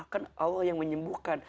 kan allah yang menyembuhkan